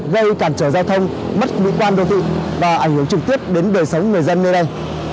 gây cản trở giao thông mất mỹ quan đô thị và ảnh hưởng trực tiếp đến đời sống người dân nơi đây